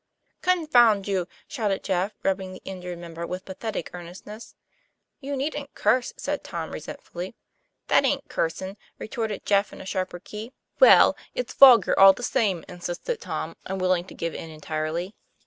'' Confound you !" shouted Jeff, rubbing the injured member with pathetic earnestness. 'You needn't curse," said Tom resentfully. ' That aint cursin'," retorted Jeff in a sharper key. "Well, it's vulgar all the same," insisted Tom, unwilling to give in entirely.